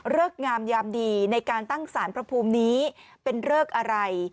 งามยามดีในการตั้งสารพระภูมินี้เป็นเริกอะไร